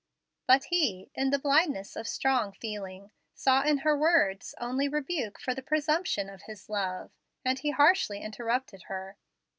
But he, in the blindness of strong feeling, saw in her words only rebuke for the presumption of his love, and he harshly interrupted her.